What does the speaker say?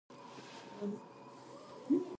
که موټروان هوښیار وي نو ټکر نه کیږي.